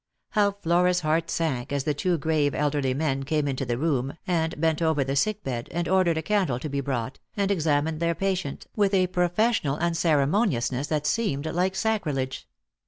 How Flora's heart sank as the two grave elderlj men came into the room, and bent over the sick bed, and ordered. a candle to be brought, and examined their patient, with a pro fessional unceremoniousness that seemed like sacrilege